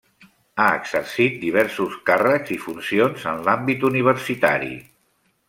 Ha exercit diversos càrrecs i funcions en l'àmbit universitari.